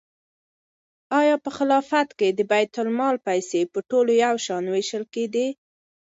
آیا په خلافت کې د بیت المال پیسې په ټولو یو شان وېشل کېدې؟